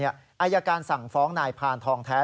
อายการสั่งฟ้องนายพานทองแท้